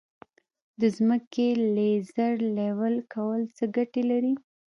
د ځمکې لیزر لیول کول څه ګټه لري؟